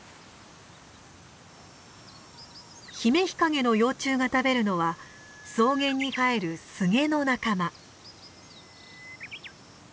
ヒメヒカゲの幼虫が食べるのは草原に生えるスゲの仲間。